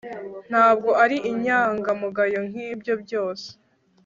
ntabwo ari inyangamugayo nkibyo byose